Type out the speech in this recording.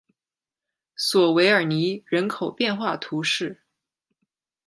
索韦尔尼人口变化图示